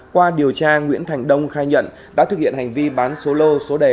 qua điều tra nguyễn thành đông khai nhận đã thực hiện hành vi bán số lô số đề